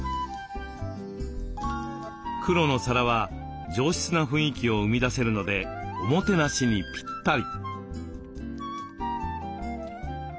黒の皿は上質な雰囲気を生み出せるのでおもてなしにぴったり。